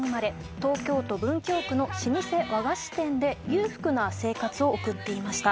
東京都文京区の老舗和菓子店で裕福な生活を送っていました。